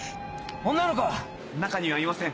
女の子は⁉中にはいません。